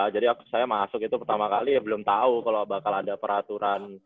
jadi waktu saya masuk itu pertama kali belum tau kalau bakal ada peraturan